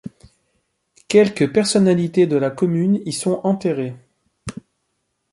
Quelques personnalités de la commune y sont enterrées.